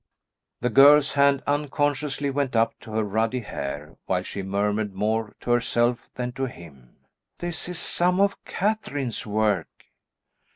The girl's hand unconsciously went up to her ruddy hair, while she murmured more to herself than to him, "This is some of Catherine's work."